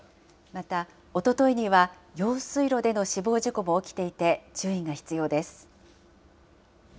また、おとといには用水路での死亡事故も起きていて、注意が必要です。